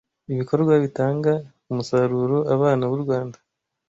Ibikorwa bitanga umusaruroAbana b’u Rwanda